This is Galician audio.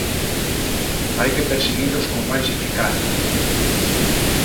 Hai que perseguilos con 'máis eficacia'.